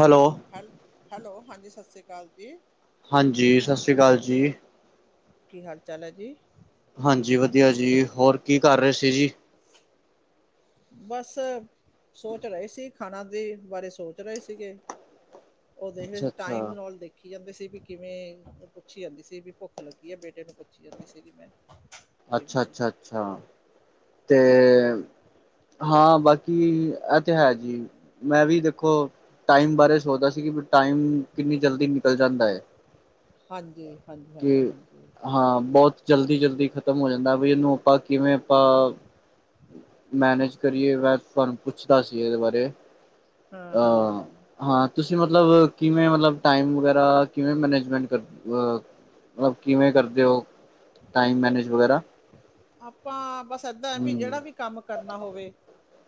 Hello ਹੈਲ, hello ਹਾਂਜੀ ਸਸ੍ਰੀ ਕਾਲ ਜੀ। ਹਾਂਜੀ, ਸਸ ਸ੍ਰੀ ਕਾਲ ਜੀ। ਕੀ ਹਾਲ, ਚਾਲ ਐ ਜੀ? ਹਾਂਜੀ ਵਦੀਆ ਜੀ, ਹੋਰ ਕੀ ਕਾਰ ਰਏ ਸੀ ਜੀ? ਬਾਸ, ਸੋਚ ਰਏ ਸੀ ਖਾਣਾ ਦੇ ਬਾਰੇ ਸੋਚ ਰਏ ਸੀਗੇ। ਓਦੇ ਅੱਛਾ ਵਿਚ ਟਾਈਮ ਨਾਲ ਦੇ [unintelligible] ਪੁੱਛੀ ਜਾਂਦੀ ਸੀ ਵੀ ਕਿਵੇਂ, ਪੁੱਛੀ ਜਾਂਦੀ ਸੀ ਵੀ ਭੁੱਖ ਲੱਗੀ ਆ, ਬੇਟੇ ਨੂੰ ਪੁੱਛੀ ਜਾਂਦੀ ਸੀਗੀ ਮੈਂ। ਅੱਛਾ, ਕਿਵੇਂ ਆ ਅੱਛਾ, ਅੱਛਾ ਤੇ ਹਾਂ, ਬਾਕੀ ਐਤੇ ਹੈ ਜੀ। ਮੈਂ ਵੀ ਦੇਖੋ ਟਾਈਮ ਬਾਰੇ ਸੋਚਦਾ ਸੀ ਕਿ, ਬੀ ਟਾਈਮ ਕਿੰਨੀ ਜਲਦੀ ਨਿਕਲ ਜਾਂਦਾ ਏ। ਹਾਂਜੀ, ਹਾਂਜੀ, ਹਾਂਜੀ, ਹਾਂਜੀ। ਹਾਂ ਬੋਤ ਜਲਦੀ, ਜਲਦੀ ਖਤਮ ਹੋ ਜਾਂਦਾ, ਵੀ ਐਨੂੰ ਆਪਾਂ ਕਿਵੇਂ ਆਪਾਂ ਮੈਨੇਜ ਕਰੀਏ ਮੈਂ ਤੁਆਨੂੰ ਪੁੱਛਦਾ ਸੀ, ਐਦੇ ਬਾਰੇ ਹਾਂ ਹਾਂ ਅ ਹਾਂ ਹਾਂ ਤੁਸੀਂ ਮਤਲਬ, ਕਿਵੇਂ ਮਤਲਬ ਟਾਈਮ ਵਗੈਰਾ ਕਿਵੇਂ ਮੈਨੇਜਮੈਂਟ ਕਰ ਮਤਲਬ ਕਿਵੇਂ ਕਰਦੇ ਓ, ਟਾਈਮ ਮੈਨੇਜ ਵਗੈਰਾ? ਆਪਾਂ ਬਾਸ ਏਦਾਂ ਏ ਵੀ ਹਮ ਜੇੜਾ ਵੀ ਕਾੰਮ ਕਰਨਾ ਹੋਵੇ,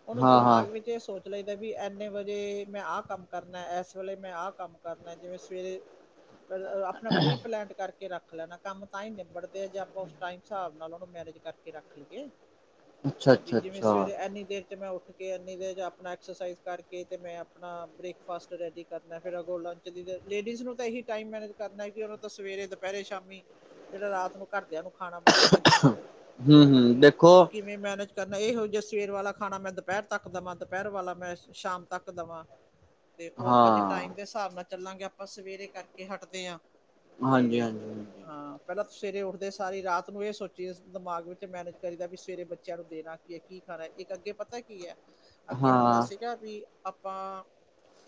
ਓਨੂੰ ਹਾਂ ਹਾਂ ਦਮਾਗ ਵਿੱਚ ਏ ਸੋਚ ਸੋਚ ਲਈ ਦਾ ਵੀ ਐਨੇ ਵਜੇ ਮੈਂ ਆ ਕੰਮ ਕਰਨੈ, ਐਸ ਵੇਲੇ਼ ਮੈਂ ਆ ਕਾੰਮ ਕਰਨੈ ਜਿਵੇਂ ਸਵੇਰੇ [inaudible] ਫੇਰ ਅ, ਆਪਨਾ ਪ੍ਰੀ ਪਲੈਂਟ ਕਾਰਕੇ ਰਾੱਖ ਲੈਨਾ, ਕਾੰਮ ਤਾਂ ਈਂ ਨਿਬੜਦੇ ਆ ਜੇ ਆਪਾਂ ਓਸ ਟਾਈਮ ਸਾਹਬ ਨਾਲ ਓਨੂੰ ਮੈਨੇਜ ਕਰਕੇ ਰਾੱਖ ਲਈਏ। ਅੱਛਾ ਬੀ ਅੱਛਾ ਜੀਮੇ ਅੱਛਾ ਸਵੇਰੇ ਐਨੀ ਦੇਰ ਤੇ ਮੈਂ ਓਠ ਕੇ ਐਨੀ ਦੇਰ ਚ ਆਪਣਾ ਐਕਸਰਸਾਈਜ਼ ਕਾਰਕੇ ਤੇ ਮੈਂ ਆਪਣਾ, ਬ੍ਰੇਕਫਾਸਟ ਰੈਡੀ ਕਰਨਾ ਫੇਰ ਅਗੋ ਲਂਚ ਦੀ, ਲੇੜੀਜ਼ ਨੂੰ ਤਾਂ ਏਹੀ ਟਾਈਮ ਮੈਨੇਜ ਕਰਨੈ ਵੀ ਓਨੂੰ ਤਾਂ ਸਵੇਰੇ, ਦਪੈਰੇ, ਸ਼ਾਮੀ ਜੇੜਾ ਰਾਤ ਨੂੰ ਘਰਦੇਆਂ ਨੂੰ ਖਾਣਾ ਬਣਾ ਕੇ ਦੇਨੈ ਹੂੰ, ਹੂੰ ਦੇਖੋ ਕਿਵੇਂ ਮੈਨੇਜ ਕਰਨੈ, ਏ ਹੋਜੂ ਸਵੇਰ ਵਾਲਾ ਖਾਣਾ ਮੈਂ ਦੁਪੈਰ ਤੱਕ ਦਵਾਂ ਦੁਪਹਿਰ ਵਾਲਾ ਮੈਂ ਸ਼ਾਮ ਤੱਕ ਦਵਾਂ [inaudible] ਦੇਖੋ ਆਪਾਂ ਤੇ ਟਾਈਮ ਦੇ ਸ੍ਹਾਬ ਨਾਲ ਚੱਲਾਂਗੇ, ਆਪਾਂ ਸਵੇਰੇ ਕਾਰਕੇ ਹਾਟਦੇ ਆਂ ਹਾਂਜੀ ਤੇ ਹਾਂਜੀ ਹਾਂਜੀ ਹਾਂ, ਪੈਲਾਂ ਤਾ ਸਵੇਰੇ ਓਠਦੇ ਸਾਰੀ ਰਾਤ ਨੂੰ ਏ ਸੋਚੀ ਦਾ ਦਿਮਾਗ ਵਿੱਚ ਮੈਨੇਜ ਕਰੀਦਾ ਬੀ ਸਵੇਰੇ ਬੱਚੇਆਂ ਨੂੰ ਦੇਨਾ ਕੀ ਏ ਕੀ ਖਾਨਾ ਏ, ਇੱਕ ਅੱਗੇ ਪਤਾ ਕੀ ਐ, ਅੱਗੇ ਹੁੰਦਾ ਹਾਂ ਸੀ ਜਾਦ ਵੀ ਆਪਾਂ,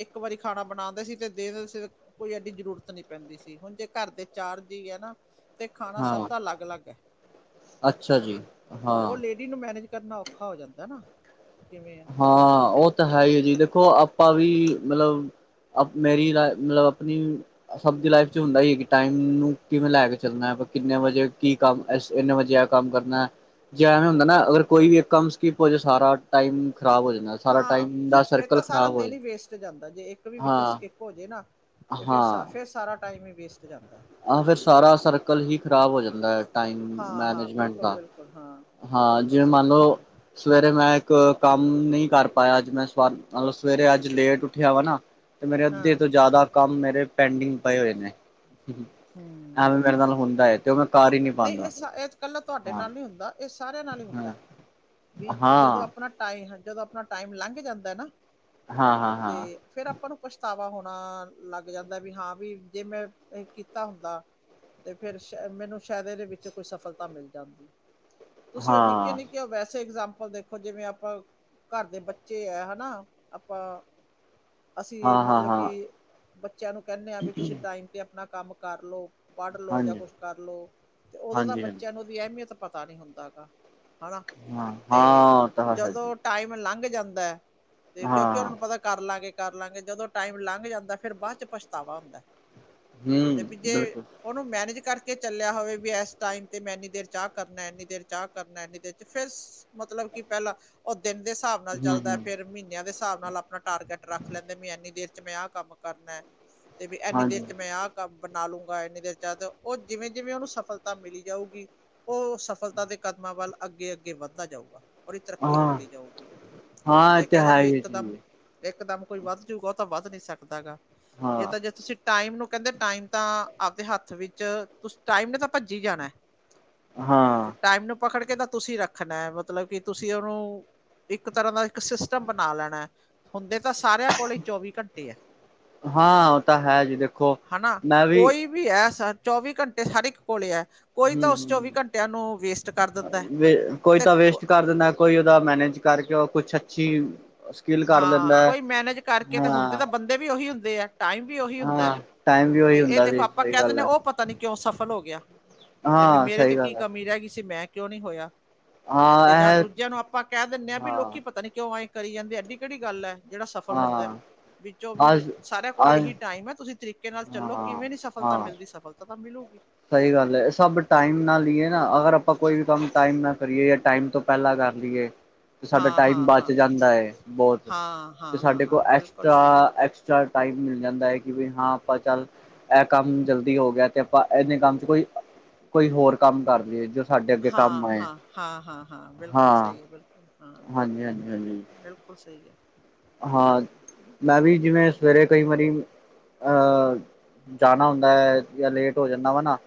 ਏੱਕ ਵਾਰੀ ਖਾਣਾ ਬਣਾਦੇ ਸੀ ਤੇ ਦੇ ਕੋਈ ਐਡੀ ਜਰੂਰਤ ਨੀ ਪੈਂਦੀ ਸੀ, ਹੁਨ ਜੇ ਘਾਰ ਦੇ ਚਾਰ ਜੀ ਐ ਨਾ ਤੇ ਖਾਨਾ ਹਾਂ ਸਾਬ ਦਾ ਅਲੱਗ, ਅਲੱਗ ਐ। ਅੱਛਾ ਜੀ। ਹਾਂ ਓ ਲੇੜੀ ਨੂੰ ਮੈਨੇਜ ਕਰਨਾ ਔਖਾ ਹੋ ਜਾਂਦਾ ਨਾ, ਕਿਵੇਂ ਐ। ਹਾਂ ਓ ਤਾਂ ਹੈ ਈ ਐਜੀ, ਦੇਖੋ ਆਪਾਂ ਵੀ ਮਲਬ ਅਪ ਮੇਰੀ ਲਾਏ ਮਲਬ ਅਪਨੀ ਸਬ ਦੀ ਲਾਈਫ ਚ ਹੁੰਦੈ ਈ ਐ ਕਿ ਟਾਈਮ ਨੂੰ, ਕਿਵੇਂ ਲੈ ਕੇ ਚੱਲਨੈ ਆਪਾ ਕਿੰਨੇ ਵਜੇ ਕੀ ਕੰਮ ਐਸ ਏਨੇ ਵਜੇ ਐ ਕੰਮ ਕਰਨੈ, ਜੇ ਐਂਵੇ ਹੁੰਦਾ ਨਾ ਅਗਰ ਕੋਈ ਵੀ ਏਕ ਕੰਮ ਸਿਕੀਪ ਹੋ ਜੇ ਸਾਰਾ ਟਾਈਮ ਖਰਾਬ ਹੋ ਜਾਂਦੈ। ਹਾਂ, ਫੇਰ ਤਾਂ ਸਾਰਾ ਦੇਨ ਈ ਵੇਸਟ ਜਾਂਦੈ ਜੇ ਏਕ ਵੀ ਵਿੱਚੋਂ ਹਾਂ ਸਿਕਿਪ ਹੋਜੇ ਨਾ, ਤੇ ਫੇਰ ਸ ਹਾਂ ਫੇਰ ਸਾਰਾ ਟਾਈਮ ਹੀ ਵੇਸਟ ਜਾਂਦੈ। ਆਹ ਫੇਰ ਸਾਰਾ ਸਰਕਲ ਹੀ ਖ਼ਰਾਬ ਹੋ ਜਾਂਦੈ। ਟਾਈਮ ਹਾਂ-ਹਾਂ, ਮੈਨੇਜਮੈਂਟ ਦਾ, ਬਿਲਕੁਲ-ਬਿਲਕੁਲ ਹਾਂ, ਹਾਂ ਬਿਲਕੁਲ ਜਿਵੇਂ ਮੰਨ ਸਹੀ ਹੈ ਹਾਂ, ਲਓ ਸਵੇਰੇ ਮੈਂ ਏਕ ਕਾੰਮ, ਨਈ ਕਰ ਪਾਏਆ ਆੱਜ ਮੈਂ ਸਵਾ ਮਲਬ ਸਵੇਰੇ ਆੱਜ ਲੇਟ ਉੱਠੇਆ ਵਾ ਨਾ ਤੇ ਮੇਰੇ ਅੱਦੇ ਹਾਂ, ਤੋਂ ਜਾਦਾ ਕੰਮ, ਮੇਰੇ ਪੈਂਡਿੰਗ ਪਏ ਹੋਏ ਨੇ। ਐਵੇ ਮੇਰੇ ਨਾਲ ਹੁੰਦਾ ਏ ਤੇ ਓ ਮੈਂ ਕਰ ਹੀ ਅ ਨਹੀਂ ਨਈ ਏ ਪਾਉਂਦਾ ਸਾ ਏ ਕੱਲਾ ਤੁਹਾਡੇ ਹਾਂ ਨਾਲ ਨੀ ਹੁੰਦਾ ਏ ਸਾਰੇਆਂ ਨਾਲ ਈ ਹੁੰਦੈ, ਹਾਂ ਵੀ ਜਦੋਂ ਹਾਂ ਆਪਣਾ ਟਾਈਮ, ਹ ਜਦੋਂ ਆਪਣਾ ਟਾਈਮ ਲੰਘ ਜਾਂਦੈ ਨਾ ਹਾਂ ਹਾਂ ਤੇ ਹਾਂ ਫੇਰ ਆਪਾਂ ਨੂੰ ਪਛਤਾਵਾ ਹੋਣਾ, ਲੱਗ ਜਾਂਦੈ ਵੀ ਹਾਂ ਬੀ ਜੇ ਮੈਂ ਏ ਕੀਤਾ ਹੁੰਦਾ ਤੇ ਫੇਰ ਸ਼ ਮੈਨੂੰ ਸ਼ਾਏਦ ਏਦੇ ਵਿੱਚ ਕੋਈ ਸਫਲਤਾ ਮਿਲ ਜਾਂਦੀ, ਹਾਂ ਤੁਸੀਂ ਓ ਨਿੱਕੀਆਂ ਹਾਂ ਨਿੱਕੀ ਵੈਸੇ ਇਗਜ਼ਾਮਪਲ ਦੇਖੋ ਜਿਵੇਂ ਆਪਾਂ ਘਾਰ ਦੇ ਬੱਚੇ ਐ ਹਨਾ, ਆਪਾਂ ਅਸੀਂ ਹਾਂ ਮਤਲਬ ਹਾਂ ਕਿ, ਬੱਚੇਆਂ ਨੂੰ ਕੈਨੇ ਆਂ ਵੀ ਤੁਸੀਂ ਟਾਈਮ ਤੇ ਆਪਨਾ ਕਾੰਮ ਕਾਰ ਲੋ ਪੜ੍ਹ ਲੋ ਜਾਂ ਹਾਂਜੀ ਕੁਛ ਕਰ ਲੋ, ਤੇ ਓਦੋ ਤਾਂ ਹਾਂਜੀ ਹਾਂਜੀ ਬੱਚੇਆਂ ਨੂੰ ਓਦੀ ਐਮੀਅਤ ਪਤਾ ਨੀ ਹੁੰਦਾ ਗਾ। ਹਣਾ, ਹਾਂ ਤੇ ਹਾਂ ਤਾਂ ਹੈ ਜਦੋਂ ਜੀ ਟਾਈਮ ਲੰਘ ਜਾਂਦੈ, ਤੇ ਕੇਓਕਿ ਓਨਾ ਹਾਂ ਨੂੰ ਪਤਾ ਕਾਰ ਲਾਂਗੇ, ਕਾਰ ਲਾਂਗੇ ਜਦੋਂ ਟਾਈਮ ਲੰਘ ਜਾਂਦੈ ਫੇਰ ਬਾਚ ਪਛਤਾਵਾ ਹੁੰਦੈ। ਤੇ ਹਮ ਵੀ ਜੇ, ਬਿਲਕੁਲ ਓਨੂੰ ਮੈਨੇਜ ਕਾਰਕੇ ਚੱਲੇਆ ਹੋਵੇ ਵੀ ਐਸ ਟਾਈਮ ਤੇ ਮੈਂ ਐਨੀ ਦੇਰ ਚ ਆ ਕਾਰਨੈ, ਐਨੀ ਦੇਰ ਚ ਆ ਕਾਰਨੈ, ਐਨੀ ਦੇਰ ਚ ਫੇਰ ਮਤਲਬ ਕਿ ਪੈਲਾਂ, ਓ ਦਿਨ ਦੇ ਸਾਹਬ ਨਾਲ ਹਮ ਚੱਲਦੈ ਹਮ ਫੇਰ ਮ੍ਹੀਨੇਆਂ ਦੇ ਸਾਹਬ ਨਾਲ ਆਪਨਾ ਟਾਰਗੇਟ ਰੱਖ ਲੈਂਦੇ ਬੀ, ਐਨੀ ਦੇਰ ਚ ਮੈਂ ਆਹ ਕਾੰਮ ਕਾਰਨੈ। ਤੇ ਬੀ ਐਨੀ ਦੇਰ ਹਾਂਜੀ ਚ ਮੈਂ ਆਹ ਕੰਮ ਬਨਾ ਲੂੰਗਾ, ਐਨੀ ਦੇਰ ਚ ਆਜੋ, ਓ ਜਿਵੇਂ ਜਿਵੇਂ ਓਨੂੰ ਸ ਸਫਲਤਾ ਮਿਲੀ਼ ਜਾਊਗੀ ਓ ਸਫਲਤਾ ਦੇ ਕਦਮਾਂ ਵੱਲ ਅੱਗੇ, ਅੱਗੇ ਵੱਦਦਾ ਜਾਊਗਾ। ਓਦੀ ਤਰੱਕੀ ਹਾਂ ਹੁੰਦੀ ਜਾਊਗੀ, ਵੀ ਹਾਂ ਇਹ ਜੇ ਤਾਂ ਕੈ ਲੋ ਹੈ ਵੀ ਹੀ ਹੈ ਏਕ ਦਾਮ ਜੀ ਏਕ ਦਾਮ ਕੋਈ ਵੱਧ ਜੂਗਾ ਤਾ ਵੱਧ ਨੀ ਸਾਕਦਾ ਗਾ, ਏ ਹਾਂ ਤਾਂ ਜੇ ਤੁਸੀਂ ਟਾਈਮ ਨੂੰ ਕੈਂਦੇ ਟਾਈਮ ਤਾਂ ਆਪਦੇ ਹਾੱਥ ਵਿੱਚ, ਤੁ ਟਾਈਮ ਨੇ ਤਾਂ ਭੱਜੀ ਜਾਣੈ ਹਾਂ। ਟਾਈਮ ਨੂੰ ਪਕੜ ਕੇ ਤਾਂ ਤੁਸੀਂ ਰੱਖਨੈ, ਮਤਲਬ ਕੀ ਤੁਸੀਂ ਓਨੂੰ ਇੱਕ ਤਰਾਂ ਦਾ ਇੱਕ ਸਿਸਟਮ ਬਨਾ ਲੈਣੈ, ਹੁੰਦੇ ਤਾਂ ਸਾਰੇਆਂ ਕੋਲੀ਼ ਈ ਚੌਵੀ ਘੰਟੇ ਆ। ਹਾਂ, ਓ ਤਾਂ ਹੈ ਜੀ ਦੇਖੋ, ਹਨਾ ਮੈਂ ਵੀ ਕੋਈ ਵੀ ਹੈ, ਚੌਵੀ ਘੰਟੇ ਹਰ ਏਕ ਕੋਲੈ ਐ। ਕੋਈ ਤਾਂ ਹੂੰ ਓਸ ਚੌਵੀ ਹੂੰ ਘੰਟੇਆਂ ਨੂੰ, ਵੇਸਟ ਕਰ ਦੰਦੈ ਕੋਈ ਤੇ ਤਾਂ ਕ ਵੇਸਟ ਕਰ ਦਿੰਦਾ ਕੋਈ ਓਦਾ ਮੈਨੇਜ ਕਾਰਕੇ ਓ ਕੁਛ ਅੱਛੀ ਸਕਿੱਲ ਕਰ ਹਾਂ ਲੈਂਦਾ ਹੈ ਕੋਈ ਮੈਨੇਜ ਕਰਕੇ ਤਾਂ, ਹੁਨ ਹਾਂ ਚਲੋ ਬੰਦੇ ਵੀ ਓਹੀ ਹੁੰਦੇ ਆ ਟਾਈਮ ਵੀ ਓਹੀ ਹੁੰਦੈ। ਹਾਂ ਟਾਈਮ ਵੀ ਤੇ ਉਹੀ ਏ ਹੁੰਦਾ ਦੇਖੋ, ਸੀ ਆਪਾਂ ਸਹੀ ਕੈ ਗੱਲ ਦਿੰਨੇ ਆ ਹੈ ਓ ਪਤਾ ਪਤਾ ਨਈ ਕੇਓਂ ਸਫਲ ਹੋ ਗੇਆ, ਤੇ ਬੀ ਹਾਂ ਮੇਰੇ ਚ ਸਹੀ ਕੀ ਗੱਲ ਹੈ ਕਮੀ ਰੈ ਗਈ ਸੀ ਮੈਂ ਕੇਓ ਨਈ ਹੋਏਆ। ਹਾਂ ਤੇ ਜਾਂ ਇਹ ਦੂਜੇਆਂ ਨੂੰ ਆਪਾਂ ਕੈ ਦੇਨੇ ਆ, ਵੀ ਹਾਂ ਲੋਕੀ ਪਤਾ ਨੀ ਕੇਓਂ ਐਂ ਕਰੀ ਜਾਂਦੇ ਐਡੀ ਕੇੜੀ ਗਾੱਲ ਐ। ਜੇੜਾ ਸਫਲ ਹੋਂਦੈ, ਹਾਂ ਵਿ ਚਲੋ ਵੀ ਅੱਜ ਸਾਰੇਆਂ ਕੋਲ ਅੱਜ ਏਹੀ ਟਾਈਮ ਆ ਤੁਸੀਂ ਤਰੀ ਕੇ ਨਾਲ ਚੱਲੋ, ਹਾਂ ਕਿਵੇਂ ਨੀ ਸਫਲਤਾ ਹਾਂ ਮਿਲਦੀ ਸਫਲਤਾ ਤਾਂ ਮਿਲੂ਼ਗੀ। ਸਹੀ ਗਾੱਲ ਐ, ਏ ਸਬ ਟਾਈਮ ਨਾਲ ਈ ਏ ਨਾ, ਅਗਰ ਆਪਾਂ ਕੋਈ ਵੀ ਕੰਮ ਟਾਈਮ ਨਾਲ ਕਰੀਏ ਯਾ ਟਾਈਮ ਤੋਂ ਪੈਲਾਂ ਕਾਰ ਲੀਏ। ਤੇ ਸਾਡਾ ਹਾਂ ਟਾਈਮ ਹਾਂ ਹਾਂ ਬਚ ਜਾਂਦੈ ਏ ਬੋਤ, ਹਾਂ, ਤੇ ਹਾਂ, ਹਾਂ, ਸਾਡੇ ਕੋਲ ਹਾਂ, ਬਿਲਕੁਲ ਸ ਐਕਸਟਰਾ ਐਕ ਚ ਟਾਈਮ ਮਿਲ ਜਾਂਦਾ ਐ, ਕਿ ਵੀ ਹਾਂ ਆਪਾਂ ਚਾੱਲ ਐ ਕਾੱਮ ਜਲਦੀ ਹੋ ਗੇਆ ਤੇ ਆਪਾਂ ਐਨੇ ਕੰਮ ਚ ਕੋਈ, ਕੋਈ ਹੋਰ ਕਾੰਮ ਕਰਦੀਏ ਜ ਹਾਂ, ਹਾਂ, ਹਾਂ, ਹਾਂ, ਹਾਂ ਬੇਲਕੁਲ ਹਾਂ ਸਈ ਐ ਬੇਲਕੁਲ ਹਾਂ ਹਾਂਜੀ ਹਾਂਜੀ ਹਾਂਜੀ ਬੇਲਕੁਲ। ਬੇਲਕੁਲ ਸਈ ਏ। ਹਾਂ ਮੈਂ ਵੀ ਜਿਵੇਂ ਸਵੇਰੇ ਕਈ ਵਾਰੀ, ਅ ਜਾਨਾ ਹੁੰਦਾ ਏ, ਯਾ ਲੇਟ ਹੋ ਜਾਂਨਾ ਵਾ ਨਾ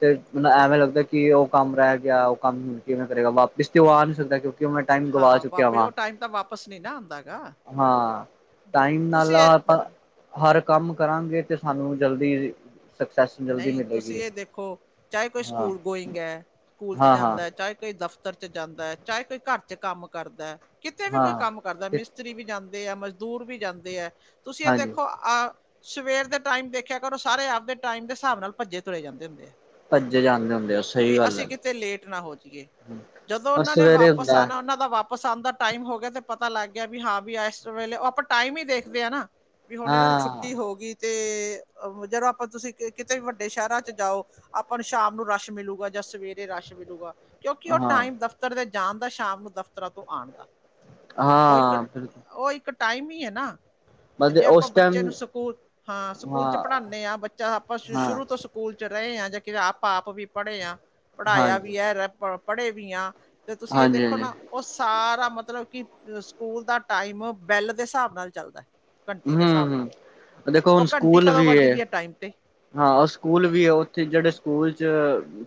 ਤੇ ਮਨ ਐਵੇਂ ਲੱਗਦਾ ਕਿ ਓ ਕੰਮ ਰੈ ਗੇਆ, ਓ ਕੰਮ ਕਿਵੇਂ ਕਰੇਗਾ ਵਾਪਿਸ ਤੇ ਓ ਆ ਨਈ ਸਕਦਾ ਕੇਓਕਿ ਕਿ ਮੈਂ ਟਾਈਮ ਗਵਾ ਹਾਂ, ਚੁੱਕੇਆ ਵਾਪਿਸ ਵਾਂ। ਉਹ ਟਾਈਮ ਤਾਂ ਵਾਪਿਸ ਨੀ ਨਾ ਆਂਦਾ ਗਾ। ਹਾਂ, ਟਾਈਮ ਨਾਲ ਤੁਸੀਂ ਇਹ ਆਪਾ ਹਾਂ, ਹਾਰ ਕਾੰਮ ਕਰਾਂਗੇ, ਤੇ ਸਾਨੂੰ ਜਲਦੀ ਸਕਸੈਸ ਜਲਦੀ ਨਈ ਤੁਸੀਂ ਮਿਲੇਗੀ ਏ ਦੇਖੋ, ਚਾਹੇ ਕੋਈ ਹਾਂ ਸੁਕੂਲ ਗੋਇੰਗ ਐ। ਸੁਕੂਲ ਚ ਹਾਂ ਹਾਂ ਜਾਂਦੈ, ਚਾਏ ਕੋਈ ਦਫ਼ਤਰ ਜਾਂਦਾ ਐ, ਚਾਏ ਕੋਈ ਘਾਰ ਚ ਕਾੰਮ ਕਰਦੈ, ਕਿਤੇ ਵੀ ਕੋਈ ਹਾਂ ਕਾੰਮ ਘਾਰਦਾ ਤੇ ਮਿਸਤਰੀ ਵੀ ਜਾਂਦੇ ਆ, ਮਜਦੂਰ ਵੀ ਜਾਂਦੇ ਆ, ਤੁਸੀ ਏ ਹਾਂਜੀ ਦੇਖੋ ਆ ਸਵੇਰ ਦੇ ਟਾਈਮ ਦੇਖੇਆ ਕਰੋ, ਸਾਰੇ ਆਪ ਦੇ ਟਾਈਮ ਦੇ ਸਾਹਬ ਨਾਲ ਭੱਜੇ ਤੁਰੇ ਜਾਂਦੇ ਹੁੰਦੇ ਆ। ਭੱਜੇ ਜਾਂਦੇ ਹੁੰਦੇ ਆ ਸਹੀ ਬੀ ਗੱਲ ਅਸੀਂ ਹੈ ਕਿਤੇ ਲੇਟ ਨਾ ਹੋ ਜੀਏ। ਜਦੋਂ ਔਰ ਓਨਾਂ ਨੇ ਸਵੇਰੇ ਵਾਪਸ ਹੁੰਦਾ ਆਨਾ ਓਨਾਂ ਦਾ ਵਾਪ ਪਸੰਦ ਦਾ ਟਾਈਮ ਹੋ ਗਿਆ ਤੇ ਪਤਾ ਲੱਗ ਗਿਆ ਵੀ ਹਾਂ ਵੀ ਇਸ ਵੇਲੇ ਉਹ ਆਪਾਂ ਟਾਈਮ ਹੀ ਦੇਖਦੇ ਹ ਨਾ ਵੀ ਹੁਣ ਇਹਨਾਂ ਨੂੰ ਹਾਂ ਛੁੱਟੀ ਹੋ ਗਈ ਤੇ ਜਦ ਆਪਾਂ ਤੁਸੀਂ ਕਿਤੇ ਵੀ ਵੱਡੇ ਸ਼ਹਿਰਾਂ ਚ ਜਾਓ ਆਪਾਂ ਨੂੰ ਸ਼ਾਮ ਨੂੰ ਰਸ਼ ਮਿਲਲੇਗਾ ਜਾਂ ਸਵੇਰੇ ਰਸ਼ ਮਿਲੂਗਾ ਕਿਉਂਕਿ ਉਹ ਹਾਂ ਟਾਈਮ ਦਫ਼ਤਰ ਦੇ ਜਾਣ ਦਾ ਸ਼ਾਮ ਨੂੰ ਦਫ਼ਤਰਾਂ ਤੋਂ ਆਉਣ ਦਾ ਉਹ ਇੱਕ ਹਾਂ ਬਿਲਕੁਲ ਉਹ ਇੱਕ ਟਾਈਮ ਹੀ ਹੈ ਨਾ ਤੇ ਮਤਲਬ ਜੇ ਆਪਾਂ ਉਸ ਬੱਚੇ ਟਾਈਮ ਨੂੰ ਸਕੂਲ ਹਾਂ ਸਕੂਲ ਚ ਪੜ੍ਹਾਉਂਦੇ ਹਾਂ ਬੱਚਾ ਆਪਾਂ ਹਾਂ ਸ਼ੁਰੂ ਤੋਂ ਸਕੂਲ ਚ ਰਹੇ ਆਾਂ ਜਾਂ ਕਿਵੇਂ ਆਪ ਆਪ ਵੀ ਪੜ੍ਹੇ ਆਾਂ ਪੜ੍ਹਾਇਆ ਹਾਂਜੀ ਵੀ ਹੈ ਪੜ੍ਹੇ ਵੀ ਆਂ, ਅਤੇ ਤੁਸੀਂ ਏ ਹਾਂਜੀ ਦੇਖੋ ਹਾਂਜੀ ਨਾ ਓ ਸਾਰਾ ਮਤਲਬ ਕਿ ਸੁਕੂਲ ਦਾ ਟਾਈਮ, ਬੈਲ ਦੇ ਸਾਹਬ ਨਾਲ ਚੱਲਦੈ। ਘੰਟੀ ਹਮ ਦੇ ਸਾਹਬ ਨਾਲ, ਹਮ ਦੇਖੋ ਓ ਹੁਣ ਘੰਟੀ ਸਕੂਲ ਕਦੋਂ ਵੀ ਵੱਜਦੀ ਹੈ ਐ ਟਾਈਮ ਤੇ ਹਾਂ ਓ ਸੁਕੂਲ ਵੀ ਐ, ਓਥੇ ਜੇੜੇ ਸੁਕੂਲ ਚ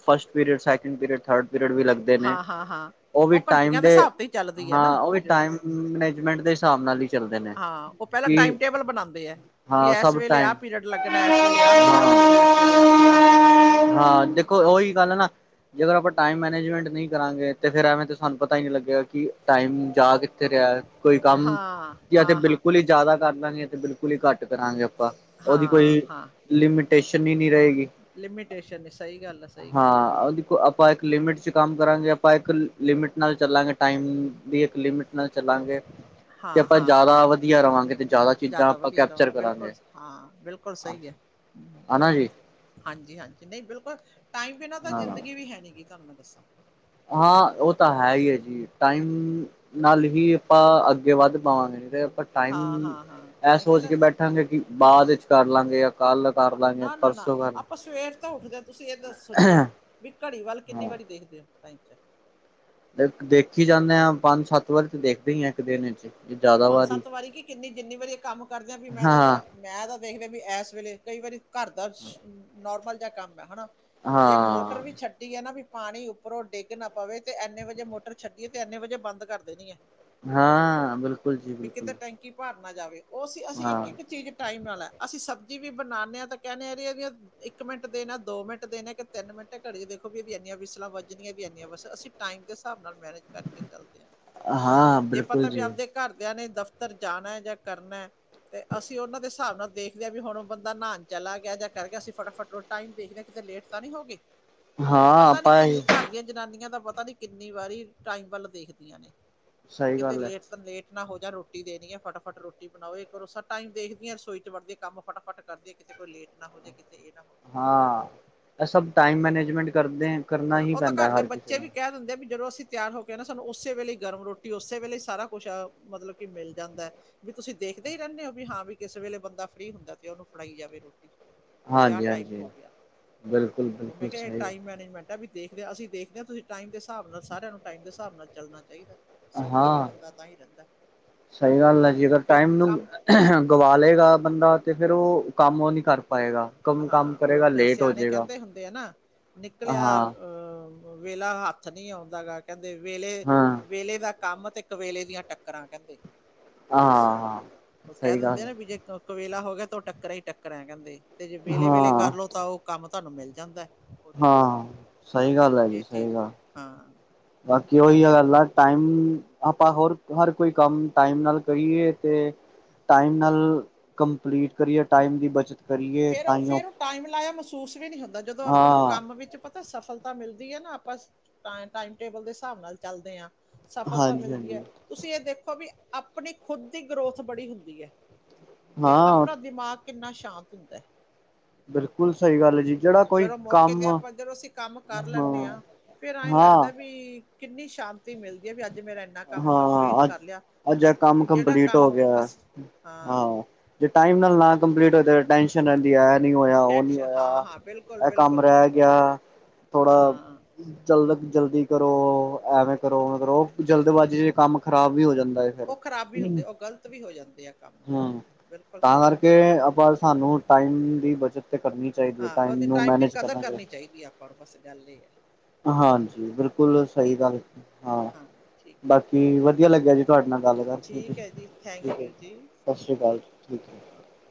ਫਸਟ ਪੀਰੇੜ, ਸੈਕੇਂਡ ਪੀਰੇੜ, ਥਰੜ ਪੀਰੇੜ ਵੀ ਲਗਦੈ ਹਾਂ, ਹਾਂ, ਹਾਂ। ਓ ਵੀ ਉਹ ਟਾਈਮ ਘੰਟੀਆਂ ਦੇ, ਹਿਸਾਬ ਤੇ ਹੀ ਚੱਲਦੀ ਹੈ ਹਾਂ ਨਾ ਓ ਵੀ ਪੀਰੀਅਡ ਟਾਈਮ ਮਨੇਜਮੈਂਟ ਦੇ ਸਾਹਬ ਨਾਲ ਈ ਚੱਲਦੇ ਨੇ। ਓ ਪੈਲਾਂ ਕਿ ਟਾਈਮ ਟੇਬਲ ਬਨਾਂਦੇ ਐ। ਵੀ ਹਾਂ ਐਸ ਸਭ ਵੇਲੇ ਆ ਟਾਈਮ ਪੀਰਡ ਲੱਗਨੈ, ਐਸ ਵੇਲੇ ਆ ਪੀਰਡ ਲੱਗਨੈ, ਐਸ ਵੇਲੇ ਆ ਪੀਰਡ ਲੱਗਨੈ [unintelligible] ਕ, ਓਈ ਗੱਲ ਆ ਨਾ। ਜਦੋ ਆਪਾਂ ਟਾਈਮ ਮੈਨੇਜਮੈਂਟ ਨਈ ਕਰਾਂਗੇ, ਤੇ ਫੇਰ ਐਵੇਂ ਤਾਂ ਸਾਨੂੰ ਪਤਾ ਈ ਨੀ ਲੱਗੇਗਾ ਕਿ ਟਾਈਮ ਜਾ ਕਿੱਥੇ ਰੇਯਾ। ਕੋਈ ਕਾੰਮ, ਹਾਂ ਯਾ ਤੇ ਹਾਂ ਹਾਂ ਬਿਲਕੁਲ ਈ ਜ਼ਿਆਦਾ ਕਰ ਲਾਂਗੇ ਤੇ ਬਿਲਕੁਲ ਹੀ ਘੱਟ ਕਰਾਂਗੇ ਆਪਾਂ ਉਹਦੀ ਹਾਂ, ਕੋਈ ਹਾਂ ਲਿਮੀਟੇਸ਼ਨ ਹੀ ਨੀ ਰਹੇਗੀ ਲਿਮੀਟੇਸ਼ਨ ਸਹੀ ਗੱਲ ਆ ਸਹੀ ਗੱਲ ਹਾਂ ਹਾਂਜੀ ਉਹਦੀ ਆਪਾਂ ਇੱਕ ਲਿਮਿਟ ' ਕੰਮ ਕਰਾਂਗੇ ਆਪਾਂ ਇੱਕ ਲਿਮਿਟ ਨਾਲ ਚੱਲਾਂਗੇ ਟਾਈਮ ਦੀ ਇੱਕ ਲਿਮਿਟ ਨਾਲ ਚੱਲਾਂਗੇ ਤੇ ਆਪਾਂ ਜ਼ਿਆਦਾ ਵਧੀਆ ਰਵਾਂਗੇ ਤੇ ਜ਼ਿਆਦਾ ਚੀਜ਼ਾਂ ਜਿਆਦਾ ਆਪਾਂ ਵਧੀਆ ਕੈਪਚਰ ਰ ਬਿਲਕੁਲ ਕਰਾਂਗੇ। ਹਾਂ ਬਿਲਕੁਲ ਸਹੀ ਹੈ ਹ ਹਨਾ ਜੀ ਹਾਂਜੀ ਹਾਂਜੀ ਨਹੀਂ ਬਿਲਕੁਲ ਟਾਈਮ ਬਿਨਾਂ ਤਾਂ ਹਾਂ ਜ਼ਿੰਦਗੀ ਵੀ ਹੈ ਨਹੀਂੀ ਗ ਤੁਹਾਨੂੰ ਮੈਂ ਦੱਸਾਂ ਹਾਂ ਉਹ ਤਾਂ ਹੈ ਹੀ ਹੈ ਜੀ ਟਾਈਮ ਨਾਲ ਹੀ ਆਪਾਂ ਅੱਗੇ ਵੱਧ ਪਾਵਾਂਗੇੀ ਤੇ ਆਪਾਂ ਟਾਈਮ ਹਾਂ, ਹਾਂ, ਹਾਂ ਇਹ ਤਾਂ ਹੀ ਸੋਚ ਕਹਿੰਦਾ ਕੇ ਬੈਠ ਬਠਾਂਗੇ ਕਿ ਬਾਅਦ ਵਿੱਚ ਕਰ ਲਾਂਗੇ ਜਾਂ ਕੱਲ ਕਰ ਲਾਂਗੇ ਨਾ ਨਾ ਨਾ ਪਰਸੋਂ ਕਰ ਲਾਂਗੇ। ਆਪਾਂ ਸਵੇਰ ਤਾਂ ਉੱਠਦੇ ਹਾਂ ਤੁਸੀਂ ਇਹ ਸੋਚੋ ਵੀ ਘੜੀ ਵੱਲ ਕਿੰਨੀ ਵਾਰੀ ਹਾਂ ਦੇਖਦੇ ਹੋ ਟਾਈਮ ਚ ਦੇਖੀ ਜਾਂਦੇ ਹਾਂ ਪੰਜ ਸੱਤ ਵਾਰੀ ਤੇ ਦੇਖਦੇ ਹੀ ਆ ਇੱਕ ਦਿਨ ਪੰਜ ਸੱਤ ਵਾਰੀ ਕਿ ਕਿੰਨੀ ਜਿੰਨੀ ਵਾਰੀ ਇਹ ਕੰਮ ਕਰਦੇਿਆਂ ਵੀ ਮੈਂ ਹਾਂ ਤਾਂ ਮੈਂ ਤਾਂ ਦੇਖਦਾ ਵੀ ਇਸ ਵੇਲੇ ਕਈ ਵਾਰੀ ਘਰ ਦਾ ਨੋਰਮਲ ਜਿਹਾ ਕੰਮ ਹੈ ਹਨਾ ਜੇ ਮੋਟਰ ਹਾਂ ਵੀ ਛੱਡੀ ਹੈ ਨਾ ਵੀ ਪਾਣੀ ਉੱਪਰੋਂ ਡਿੱਗ ਨਾ ਪਵੇ ਤੇ ਇੰਨੇ ਵਜੇ ਮੋਟਰ ਛੱਡੀਏ ਤੇ ਇੰਨੇ ਵਜੇ ਬੰਦ ਕਰ ਦੇਣੀਏ। ਹਾਂ ਬਿਲਕੁ ਵੀ ਕਿਤੇ ਟੈਂਕੀ ਭਰ ਨਾ ਜਾਵੇ ਉਹ ਸੀ ਅਸੀਂ ਇੱਕ ਹਾਂ ਇੱਕ ਚੀਜ਼ ਟਾਈਮ ਨਾਲ ਹੈ। ਅਸੀਂ ਸਬਜ਼ੀ ਵੀ ਬਣਾਉਂਦੇ ਹਾਂ ਤਾਂ ਕਹਿੰਦੇ ਹਾਂ ਇਹਦੀਆਂ ਇੱਕ ਮਿੰਟ ਦੇਣਾ ਦੋ ਮਿੰਟ ਦੇਣੇ ਕਿ ਤਿੰਨ ਮਿੰਟ ਘੜੀ ਦੇਖੋ ਵੀ ਇਨੀਆਂ ਵਿਸਲਾਂ ਵੱਜਣੀਆਂ ਵੀ ਇੰਨੀਆਂ ਬੱਸ ਅਸੀਂ ਟਾਈਮ ਦੇ ਹਿਸਾਬ ਨਾਲ ਮੈਨੇਜ ਕਰਕੇ ਚੱਲਦੇ ਆ ਹਾਂ ਜੇ ਬਿਲਕੁਲ ਪਤਾ ਵੀ ਜੀ ਆਪਦੇ। ਘਰਦਿਆਂ ਨੇ ਦਫ਼ਤਰ ਜਾਣਾ ਜਾਂ ਕਰਨਾ। ਤੇ ਅਸੀਂ ਉਹਨਾਂ ਦੇ ਹਿਸਾਬ ਨਾਲ ਦੇਖਦੇ ਹਾਂ ਵੀ ਹੁਣ ਉਹ ਬੰਦਾ ਨਹਾਣ ਚਲਾ ਗਿਆ ਜਾਂ ਕਰਕੇ ਅਸੀਂ ਫਟਾਫਟ। ਟਾਈਮ ਦੇਖਦੇ ਕਿਤੇ ਲੇਟ ਤਾਂ ਨਹੀਂ ਹੋ ਗਏ ਹ ਪਤਾ ਨਹੀਂ ਕਿੰਨ ਘਰ ਦੀਆਂ ਜਨਾਨੀਆਂ ਦਾ ਪਤਾ ਨਹੀਂ ਕਿੰਨੀ ਵਾਰੀ ਟਾਈਮ ਵੱਲ ਦੇਖਦੀਆਂ ਨੇ ਵੀ ਸਹੀ ਕਿਤੇ ਗੱਲ ਹੈ ਲੇਟ ਸ ਲੇਟ ਹੋ ਜਾ ਰੋਟੀ ਦੇਣੀ ਹੈ ਫਟਾਫਟ ਰੋਟੀ ਬਣਾਓ ਇੱਕ ਕਰੋਸਾ ਟਾਈਮ ਦੇਖਦੀ ਹੈ ਰਸੋਈ ਚ ਵੜਦੀ ਕੰਮ ਫਟਾਫਟ ਕਰਦੀ ਹ ਕਿਸੇ ਕੋਲ ਲੇਟ ਨਾ ਹੋ ਜਾਵੇ ਕਿਸੇ ਇਹ ਨਾ ਹੋ ਜਾ ਹਾਂ ਇਹ ਸਭ ਟਾਈਮ ਮੈਨੇਜਮੈਂਟ ਕਰਦੇ ਕਰਨਾ ਹਾਂ ਹੀ ਉਹ ਤਾਂ ਪੈਂਦਾ ਘਰ ਦੇ ਹਰ ਕਿਸੇ ਬੱਚੇ ਵੀ ਨੂੰ। ਕਹਿ ਦਿੰਦੇ ਵੀ ਜਦੋਂ ਅਸੀਂ ਤਿਆਰ ਹੋ ਕੇ ਨਾ ਸਾਨੂੰ ਉਸੇ ਵੇਲੇ ਗਰਮ ਰੋਟੀ ਉਸੇ ਵੇਲੇ ਹੀ ਸਾਰਾ ਕੁਛ ਮਤਲਬ ਕਿ ਮਿਲ ਜਾਂਦਾ ਵੀ ਤੁਸੀਂ ਦੇਖਦੇ ਹੀ ਰਹਿਣੇ ਓ ਵੀ ਹਾਂ, ਵੀ ਕਿਸੇ ਵੇਲੇ ਬੰਦਾ ਫ੍ਰਰੀ ਹੁੰਦਾ ਤੇ ਉਹਨੂੰ ਫੜਾਈ ਜਾਵੇ ਰੋਟੀ ਜਾ ਟਾਈਮ ਹਾਂਜੀ-ਹਾਂਜੀ, ਹੋ ਗਿਆ। ਉਹ ਮੈਂ ਬਿਲਕੁਲ-ਬਿਲਕੁਲ ਕਿਹਾ ਸਹੀ ਟਾਈਮ ਮੈਨੇਜਮੈਂਟ ਵੀ ਦੇਖਦੇ ਆ ਅਸੀਂ ਦੇਖਦੇ ਆ ਤੁਸੀਂ ਟਾਈਮ ਦੇ ਹਿਸਾਬ ਨਾਲ ਸਾਰਿਆਂ ਨੂੰ ਟਾਈਮ ਦੇ ਹਿਸਾਬ ਨਾਲ ਚੱਲਣਾ ਚਾਹੀਦਾ। ਸੌਖਾ ਵੀ ਹਾਂ, ਬੰਦਾ ਤਾਂ ਹੀ ਰਹਿੰਦਾ ਸਹੀ ਗੱਲ ਐ ਜੀ ਅਗਰ ਫਿਰ ਟਾਈਮ ਨੂੰ ਕੰਮ ਗਵਾ ਲਏਗਾ ਬੰਦਾ ਤੇ ਫੇਰ ਉਹ ਕੰਮ ਉਹ ਨੀ ਕਰ ਪਾਏਗਾ। ਕਮ ਕੰਮ ਹਾਂ, ਕਰੇਗਾ ਉਹ ਲੇਟ ਹੋ ਸਿਆਣੇ ਜਾਏਗਾ ਕਹਿੰਦੇ ਹੁੰਦੇ ਆ ਨਾ ਨਿਕਲਿਆ ਹਾਂ, ਅਹ ਵਿਹਲਾ ਹੱਥ ਨਹੀਂੀ ਆਉਂਦਾ ਗਾ ਕਹਿੰਦੇ ਵਹਲੇ ਹਾਂ, ਵਿਹਲੇ ਦਾ ਕੰਮ ਤੇ ਕਵੇਲੇ ਦੀਆਂ ਟੱਕਰਾਂ ਕਹਿੰਦੇ ਦੱਸਿਆ ਹਾਂ, ਹਾਂ। ਉਹ ਕਹਿ ਸਹੀ ਗੱਲ ਦਿੰਦੇ ਹੈ। ਨਾ ਵੀ ਜੇ ਵੇਲਾ ਹੋ ਗਿਆ ਤਾਂ ਉਹ ਟੱਕਰਾ ਹੀ ਟੱਕਰਾ ਕਹਿੰਦੇ ਤੇ ਜੇ ਵੇਲੇ ਵੇਲੇ ਹਾਂ, ਕਰਲੋ ਤਾਂ ਉਹ ਕੰਮ ਤੁਹਾਨੂੰ ਮਿਲ ਜਾਂਦਾ। ਉਹਦੀ ਹਾਂ, ਸਹੀ ਗੱਲ ਹੈ ਜੀ ਇਹ ਸਹੀ ਚੀਜ਼ ਗੱਲ ਹਾਂ ਬਾਕੀ ਉਹੀ ਆ ਗੱਲ ਆ ਟਾਈਮ ਆਪਾਂ ਹੋਰ ਹਰ ਕੋਈ ਕੰਮ ਟਾਈਮ ਨਾਲ ਕਰੀਏ ਤੇ ਟਾਈਮ ਨਾਲ ਕੰਪਲੀਟ ਕਰੀਏ ਟਾਈਮ ਦੀ ਬੱਚਤ ਕਰੀਏ ਫੇਰ ਉਹ ਤਾਂਹੀਓ ਫੇਰ ਉਹ ਟਾਈਮ ਲਾਇਆ ਮਹਿਸੂਸ ਵੀ ਨਹੀਂੀ ਹੁੰਦਾ ਜਦੋਂ ਆਪਾਂ ਨੂੰ ਹਾਂ ਕੰਮ ਵਿੱਚ ਆਪਾਂ ਤਾਂ ਸਫਲਤਾ ਮਿਲਦੀ ਹੈ ਨਾ ਆਪਾਂ ਟਾਈਮ ਟੇਬਲ ਦੇ ਹਿਸਾਬ ਨਾਲ ਚੱਲਦੇ ਹਾਂ ਸਫਲਤਾ ਹਾਂਜੀ ਮਿਲਦੀ ਹੈ ਹਾਂਜੀ ਤੁਸੀਂ ਇਹ ਦੇਖੋ ਵੀ ਆਪਣੀ ਖੁਦ ਦੀ ਗਰੋਥ ਬੜੀ ਹੁੰਦੀ ਹੈ ਅਤੇ ਹਾਂ ਆਪਣਾ ਦਿਮਾਗ ਕਿੰਨਾ ਸ਼ਾਂਤ ਹੁੰਦਾ ਹੈ ਬਿਲਕੁਲ ਸਹੀ ਗੱਲ ਹੈ ਜੀ ਜਿਹੜਾ ਕੋਈ ਜਦੋਂ ਮੌਕੇ ਤੇ ਕੰਮ ਆਪਾਂ ਜਦੋਂ ਅਸੀਂ ਕੰਮ ਕਰ ਲੈਣੇ ਹਾਂ ਆ। ਫੇਰ ਐਂ ਲੱਗਦਾ ਹਾਂ ਵੀ ਕਿੰਨੀ ਸ਼ਾਂਤੀ ਮਿਲਦੀ ਐ ਵੀ ਅੱਜ ਜੇ ਮੇਰਾ ਇੰਨਾ ਕੰਮ ਕੰਪਲੀਟ ਹਾਂ ਅੱਜ ਕਰ ਲਿਆ ਅੱਜ ਇਹ ਕੰਮ ਜਿਹੜਾ ਕੰਪਲੀਟ ਹੋ ਕੰਮ ਗਿਆ ਅਸੀ ਹਾਂ। ਜੇ ਟਾਈਮ ਨਾਲ ਨਾ ਕੰਪਲੀਟ ਹੋਏ ਤੇ। ਟੈਸ਼ਨ ਰਹਿੰਦੀ ਆ ਇਹ ਨੀ ਹੋਇਆ ਉਹ ਨੀ ਟੈਨਸ਼ਨ ਹਾਂ ਹੋਇਆ ਹਾਂ ਬਿਲਕੁਲ ਇਹ ਕੰਮ ਬਿਲਕੁਲ ਰਹਿ ਬਿਲਕੁਲ ਗਿਆ। ਹਾਂ, ਜਲਦ ਜਲਦੀ ਕਰੋ ਐਵੇਂ ਕਰੋ ਮਤਲਬ ਕਰੋ ਜਲਦਬਾਜ਼ੀ ਚ ਕੰਮ ਖ਼ਰਾਬ ਵੀ ਹੋ ਜਾਂਦਾ ਐ ਫਿਰ ਉਹ ਖ਼ਰਾਬ ਵੀ ਹੁੰਦੇ ਉਹ ਗ਼ਲਤ ਵੀ ਹੋ ਜਾਂਦੇ ਆ ਕੰਮ ਹੂੰ, ਬਿਲਕੁਲ ਤਾਂ ਸਹੀ ਹੈ ਕਰਕੇ ਤੁਹਾਡੀ ਗੱਲ ਆਪਾਂ ਸਾਨੂੰ ਟਾਈਮ ਦੀ ਬੱਚਤ ਤੇ ਕਰਨੀ। ਚਾਹੀਦੀ ਹੈ ਹਾਂ, ਉਹਦੀ ਨੂੰ ਟਾਈਮ ਵੀ ਮੈਨੇਜ ਕਦਰ ਕਰਨਾ ਕਰਨੀ ਚਾਹੀਦਾ ਚਾਹੀਦੀ ਆ ਆਪਾਂ ਨੂੰ ਬਸ ਗੱਲ ਇਹ ਆ। ਹਾਂਜੀ, ਬਿਲਕੁਲ ਸਹੀ ਗੱਲ ਹਾਂ ਠੀਕ ਠੀਕ ਬਾਕੀ ਵਧੀਆ ਲੱਗਿਆ ਜੀ। ਤੁਹਾਡੇ ਨਾਲ ਗੱਲ ਕਰਕੇਸੀਂ ਠੀਕ ਹੈ ਜੀ ਠੀਕ ਐ ਥੈਂਕ ਜੀ ਯੂ ਸਤਿ ਥੈਂਕ ਸ਼੍ਰੀ ਅਕਾਲ ਜੀ ਠੀਕ ਐ। You okay